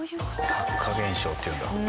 白化現象っていうんだ。